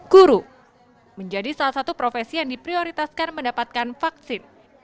guru menjadi salah satu profesi yang diprioritaskan mendapatkan vaksin